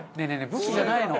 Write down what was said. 武器じゃないの。